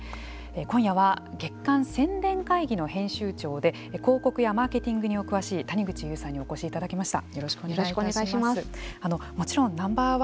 今夜は月刊「宣伝会議」の編集長で広告やマーケティングに詳しい谷口優さんにお越しいただきました。